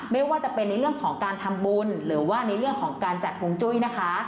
ไม่ว่าจะเป็นในเรื่องของการทำบุญหรือว่าในเรื่องของการจัดฮวงจุ้ยนะคะ